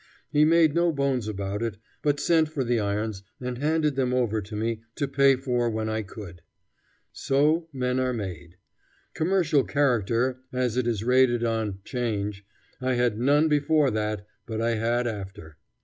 He made no bones about it, but sent for the irons and handed them over to me to pay for when I could. So men are made. Commercial character, as it is rated on 'change, I had none before that; but I had after.